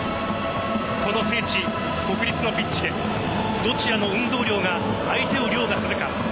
この聖地・国立のピッチでどちらの運動量が相手を凌駕するか。